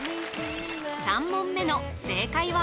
３問目の正解は？